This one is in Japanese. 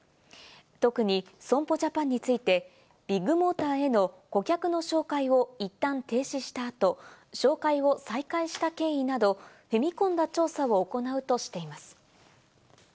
特に損保ジャパンについて、ビッグモーターへの顧客の紹介をいったん停止した後、照会を再開した経緯など踏み込んだ調査を行うとしています。